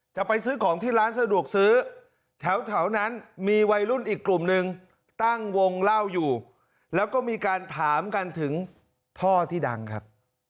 จะไปซื้อของที่ร้านสะดวกซื้อแถวนั้นมีวัยรุ่นอีกกลุ่มนึงตั้งวงเล่าอยู่แล้วก็มีการถามกันถึงท่อที่ดังครับ